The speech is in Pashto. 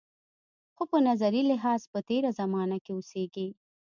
خو په نظري لحاظ په تېره زمانه کې اوسېږي.